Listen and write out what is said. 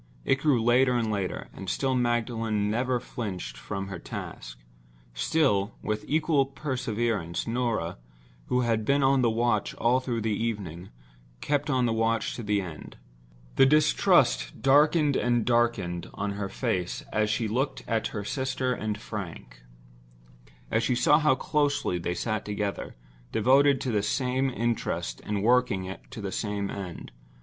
It grew later and later; and still Magdalen never flinched from her task—still, with equal perseverance, Norah, who had been on the watch all through the evening, kept on the watch to the end. The distrust darkened and darkened on her face as she looked at her sister and Frank; as she saw how close they sat together, devoted to the same interest and working to the same end.